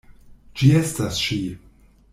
Ĝi estas ŝi!